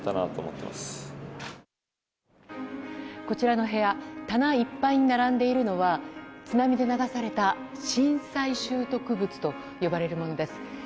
こちらの部屋棚いっぱいに並んでいるのは津波で流された震災拾得物と呼ばれるものです。